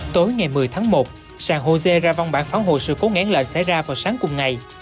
tối ngày một mươi tháng một sàng hồ sê ra vong bản pháo hồi sự cố ngãn lệnh xảy ra vào sáng cùng ngày